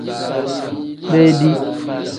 Bedi.